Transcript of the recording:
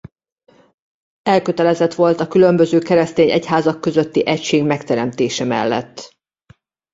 Elkötelezett volt a különböző keresztény egyházak közötti egység megteremtése mellett.